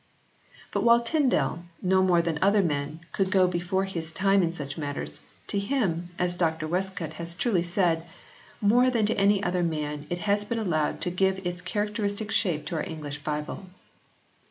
But while Tyndale, no more than other men, could go before his time in such matters, to him, as Dr Westcott has truly said, more than to any other man it has been allowed to give its characteristic shape to our English Bible.